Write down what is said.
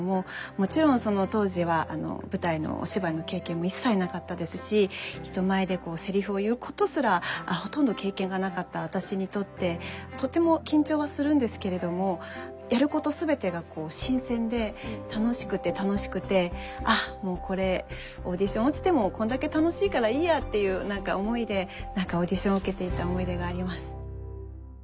もちろんその当時は舞台のお芝居の経験も一切なかったですし人前でこうセリフを言うことすらほとんど経験がなかった私にとってとても緊張はするんですけれどもやること全てが新鮮で楽しくて楽しくて「あっもうこれオーディション落ちてもこんだけ楽しいからいいや」っていう何か思いでオーディションを受けていた思い出があります。